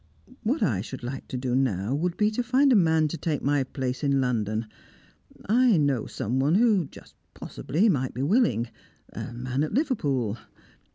What I should like to do, now, would be to find a man to take my place in London. I know someone who, just possibly, might be willing a man at Liverpool."